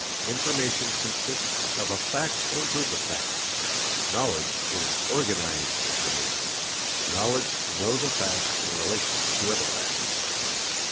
Information consists of a fact or a group of facts; knowledge is organized information knowledge knows a fact in relation to other facts.